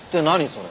それ。